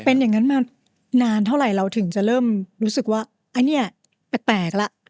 เป็นอย่างนั้นมานานเท่าไหร่เราถึงจะเริ่มรู้สึกว่าอันนี้แปลกแล้ว